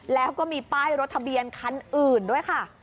แล้วก็มีป้ายรถทะเบียนคันอื่นด้วยค่ะ